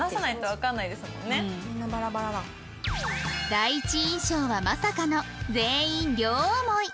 第一印象はまさかの全員両思い！